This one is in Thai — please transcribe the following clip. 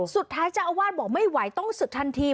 สุดท้ายเจ้าอาวาสบอกไม่ไหวต้องศึกทันที